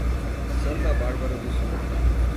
Santa Bárbara do Sul